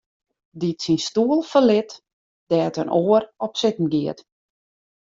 Dy't syn stoel ferlit, dêr't in oar op sitten giet.